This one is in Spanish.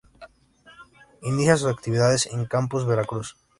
Inicia sus actividades el Campus Veracruz.